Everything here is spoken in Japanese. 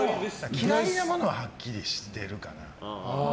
嫌いなものははっきりしてるかな。